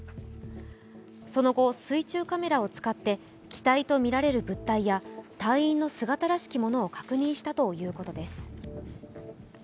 その後、水中カメラを使って機体とみられる物体や隊員の姿らしきものを確認したということです。